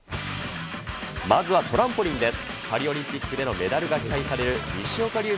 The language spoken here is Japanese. まずはトランポリンです。